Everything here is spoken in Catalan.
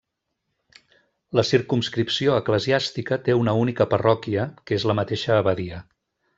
La circumscripció eclesiàstica té una única parròquia, que és la mateixa abadia.